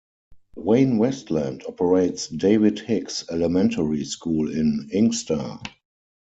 Wayne-Westland operates David Hicks Elementary School in Inkster.